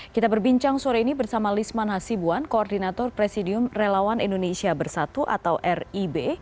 kita berbincang sore ini bersama lisman hasibuan koordinator presidium relawan indonesia bersatu atau rib